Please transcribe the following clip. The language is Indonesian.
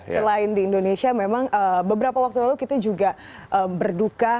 selain di indonesia memang beberapa waktu lalu kita juga berduka